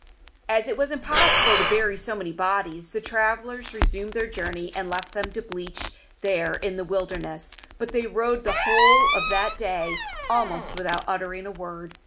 As it was impossible to bury so many bodies, the travellers resumed their journey, and left them to bleach there in the wilderness; but they rode the whole of that day almost without uttering a word.